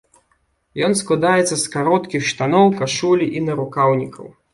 Ён складаецца з кароткіх штаноў, кашулі і нарукаўнікаў.